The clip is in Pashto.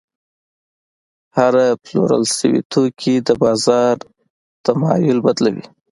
هره پلورل شوې توکي د بازار تمایل بدلوي.